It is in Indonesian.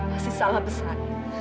pasti salah besar